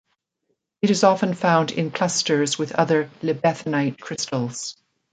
It is often found in clusters with other libethenite crystals.